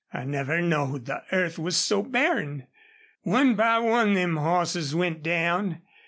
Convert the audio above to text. I never knowed the earth was so barren. One by one them hosses went down....